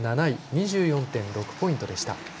２６．７ポイントでした。